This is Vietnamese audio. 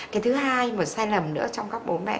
cái thứ hai mà sai lầm nữa trong các bố mẹ